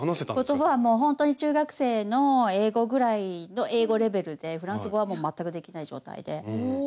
言葉はもうほんとに中学生の英語ぐらいの英語レベルでフランス語はもう全くできない状態ではい。